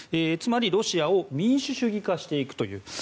つまりロシアを民主主義化していくという。